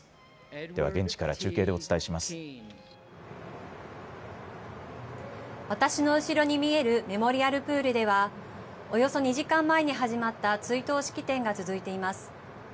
では、現地から中継で私の後ろに見えるメモリアル・プールではおよそ２時間前に始まった追悼式典が続いています。